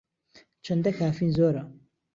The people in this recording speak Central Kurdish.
چەندە کافین زۆرە؟